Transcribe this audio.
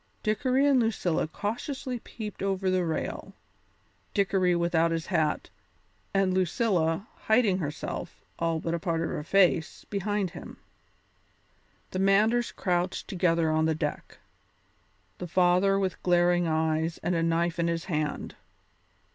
Dickory and Lucilla cautiously peeped over the rail, Dickory without his hat, and Lucilla, hiding herself, all but a part of her face, behind him; the Manders crouched together on the deck, the father with glaring eyes and a knife in his hand.